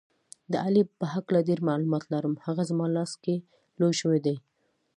د علي په هکله ډېر معلومات لرم، هغه زما لاس کې لوی شوی دی.